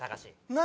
何？